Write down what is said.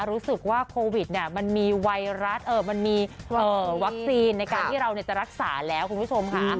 รู้สึกว่าโควิดมันมีไวรัสมันมีวัคซีนในการที่เราจะรักษาแล้วคุณผู้ชมค่ะ